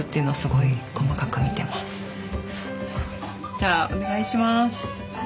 じゃあお願いします。